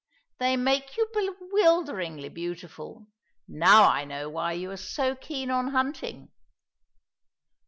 "They make you bewilderingly beautiful. Now I know why you are so keen on hunting."